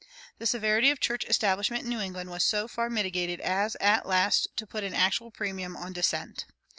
The severity of church establishment in New England was so far mitigated as at last to put an actual premium on dissent.